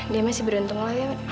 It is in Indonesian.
dia masih beruntung lah